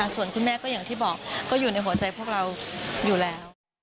ส่วนคุณแม่ก็อย่างที่บอกก็อยู่ในหัวใจพวกเราอยู่แล้ว